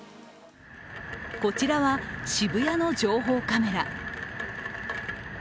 こちらは渋谷の情報カメラ。